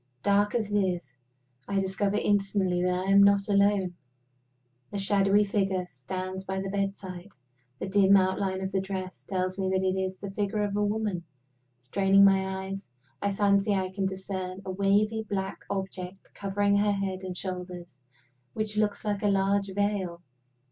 Dark as it is, I discover instantly that I am not alone. A shadowy figure stands by my bedside. The dim outline of the dress tells me that it is the figure of a woman. Straining my eyes, I fancy I can discern a wavy black object covering her head and shoulders which looks like a large veil.